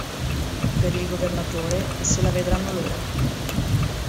Per il Governatore, se la vedranno loro.